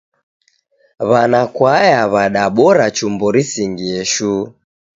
Wanakwaya wadabora chumbo risingie shuu.